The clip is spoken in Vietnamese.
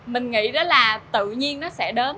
mình nghĩ đó là tự nhiên nó sẽ đến